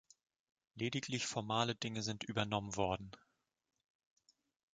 Lediglich formale Dinge sind übernommen worden.